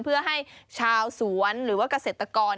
เพื่อให้ชาวสวนหรือว่าเกษตรกร